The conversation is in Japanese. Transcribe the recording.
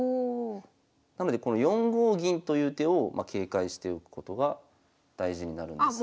なのでこの４五銀という手を警戒しておくことが大事になるんですが。